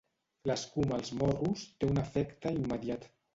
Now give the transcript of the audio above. L'escuma als morros té un efecte immediat.